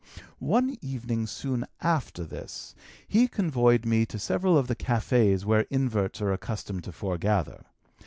"One evening, soon after this, he convoyed me to several of the café's where inverts are accustomed to foregather.